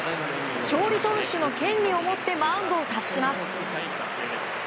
勝利投手の権利を持ってマウンドを託します。